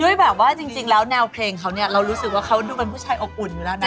แบบว่าจริงแล้วแนวเพลงเขาเนี่ยเรารู้สึกว่าเขาดูเป็นผู้ชายอบอุ่นอยู่แล้วนะ